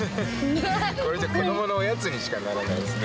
これじゃ子どものおやつにしかならないですね。